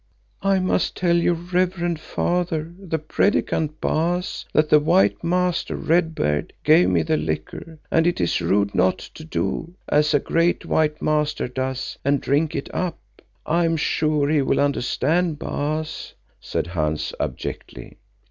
"I must tell your reverend father, the Predikant, Baas, that the white master, Red Beard, gave me the liquor and it is rude not to do as a great white master does, and drink it up. I am sure he will understand, Baas," said Hans abjectly.